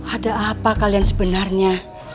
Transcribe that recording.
ada apa kalian sebenarnya